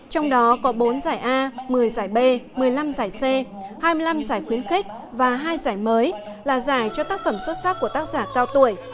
trong đó có bốn giải a một mươi giải b một mươi năm giải c hai mươi năm giải khuyến khích và hai giải mới là giải cho tác phẩm xuất sắc của tác giả cao tuổi